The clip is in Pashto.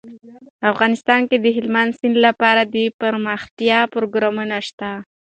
افغانستان کې د هلمند سیند لپاره دپرمختیا پروګرامونه شته.